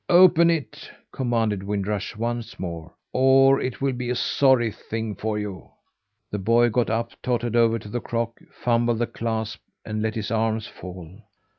"Open it!" commanded Wind Rush once more, "or it will be a sorry thing for you." The boy got up, tottered over to the crock, fumbled the clasp, and let his arms fall.